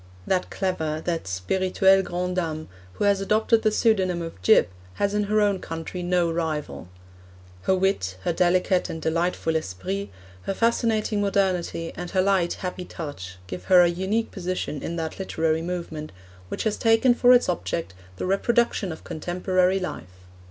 That clever, that spirituelle grande dame, who has adopted the pseudonym of 'Gyp,' has in her own country no rival. Her wit, her delicate and delightful esprit, her fascinating modernity, and her light, happy touch, give her a unique position in that literary movement which has taken for its object the reproduction of contemporary life.